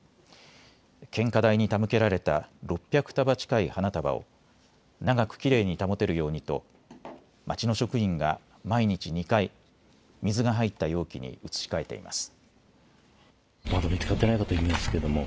献花台に手向けられた６００束近い花束を長くきれいに保てるようにと町の職員が毎日２回、水が入った容器に移し替えています。